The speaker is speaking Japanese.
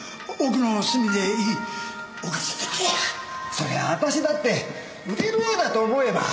そりゃあ私だって売れる絵だと思えば。